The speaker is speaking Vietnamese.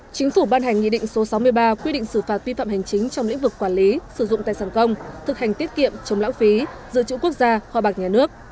chính phủ ban hành nghị định số sáu mươi ba quy định xử phạt vi phạm hành chính trong lĩnh vực quản lý sử dụng tài sản công thực hành tiết kiệm chống lão phí dự trữ quốc gia kho bạc nhà nước